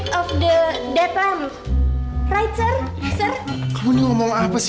terima kasih terima kasih